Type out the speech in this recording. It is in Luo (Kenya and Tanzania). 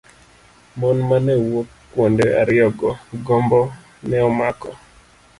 Mon mane wuok kuonde ariyogo, gombo ne omako.